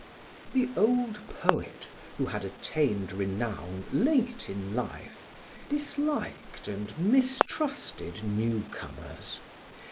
The old poet, who had attained renown late in life, disliked and mistrusted newcomers.